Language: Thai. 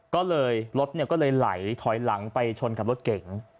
ก็เลยรถก็เลยไหลถอยหลังไปชนกับรถเก๋ง